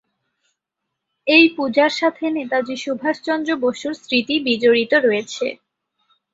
এই পূজার সাথে নেতাজী সুভাষ চন্দ্র বসুর স্মৃতি বিজড়িত রয়েছে।